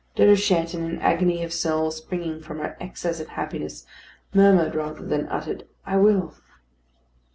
Déruchette, in an agony of soul, springing from her excess of happiness, murmured rather than uttered "I will."